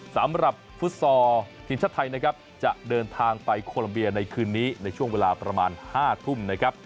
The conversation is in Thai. สำหรับฟุตซอลทีมชาติไทยนะครับจะเดินทางไปโคลัมเบียในคืนนี้ในช่วงเวลาประมาณ๕ทุ่มนะครับ